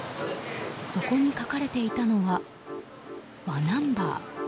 そこに書かれていたのは「わ」ナンバー。